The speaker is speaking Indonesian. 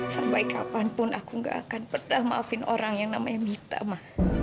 sampai kapanpun aku gak akan pernah maafin orang yang namanya minta maaf